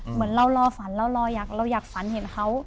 เหมือนเรารอฝันเราอยากฝันเห็นเขา